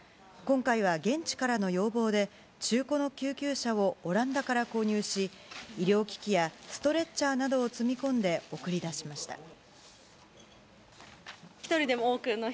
今回は現地からの要望で中古の救急車をオランダから購入し医療機器やストレッチャーなどを積み込んで、送り出しました。